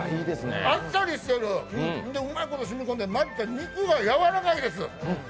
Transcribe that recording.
あっさりしてる、で、うまいこと染み込んで肉がやわらかいです。